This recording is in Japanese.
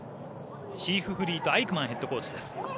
シークフリード・アイクマンヘッドコーチです。